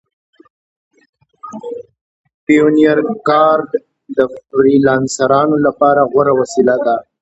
د پیونیر کارډ د فریلانسرانو لپاره غوره وسیله ده.